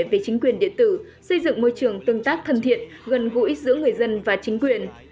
về chính quyền điện tử xây dựng môi trường tương tác thân thiện gần gũi giữa người dân và chính quyền